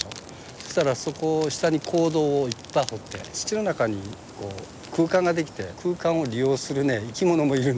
そしたらそこを下に坑道をいっぱい掘って土の中に空間ができて空間を利用する生き物もいるんですよ。